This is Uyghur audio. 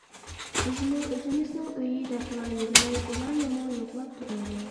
بىزمۇ ئۆزىمىزنىڭ ئۆيى دەپلا يۈرمەي، ئۇلارنىمۇ يوقلاپ تۇرايلى.